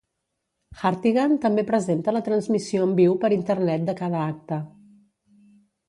Hartigan també presenta la transmissió en viu per Internet de cada acte.